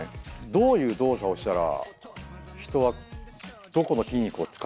どういう動作をしたら人はどこの筋肉を使っているのか。